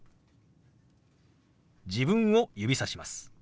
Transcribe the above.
自分を指さします。